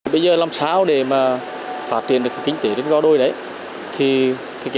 bây giờ là năm sáu để phát triển được kinh tế